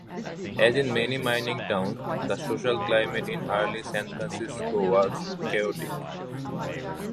As in many mining towns, the social climate in early San Francisco was chaotic.